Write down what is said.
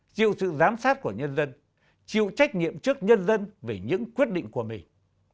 chịu sự giám sát của nhân dân chịu trách nhiệm trước nhân dân về những quyết định của mình